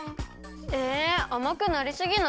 えあまくなりすぎない？